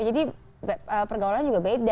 jadi pergaulan juga beda